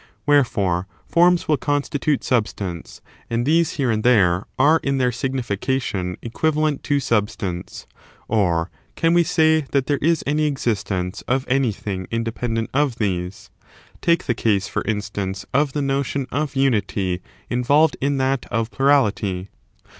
Wherefore, forms will constitute substance, and these here and there ^ are in their signification equivalent to substance ; or, can we say that there is any existence of anything independent of these? take the case, for instance, of the notion of xmity involved in that of plurality.